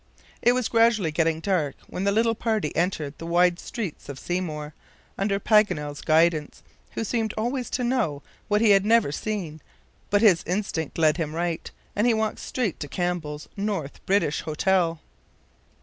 It was gradually getting dark when the little party entered the wide streets of Seymour, under Paganel's guidance, who seemed always to know what he had never seen; but his instinct led him right, and he walked straight to Campbell's North British Hotel.